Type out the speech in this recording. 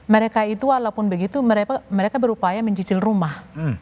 mereka itu walaupun begitu mereka berupaya mencicil rumah